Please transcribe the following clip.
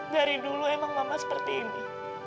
dari dulu emang mama seperti ini